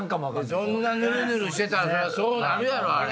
そんなヌルヌルしてたらそうなるやろあれ。